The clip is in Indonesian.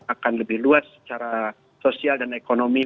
akan lebih luas secara sosial dan ekonomi